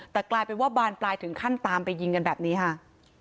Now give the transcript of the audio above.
แต่กลายเป็นว่าบานปลายถึงขั้นตามไปยิงกันแบบนี้ค่ะ